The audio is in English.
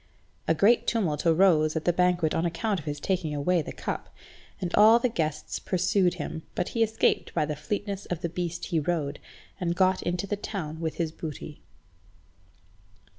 A great tumult arose at the banquet on account of his taking away the cup, and all the guests pursued him, but he escaped by the fleetness of the beast he rode, and got into the town with his booty.